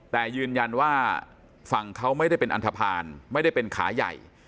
แต่ยืนยันว่าฝั่งเขาไม่ได้เป็นอันทภาณไม่ได้เป็นขาใหญ่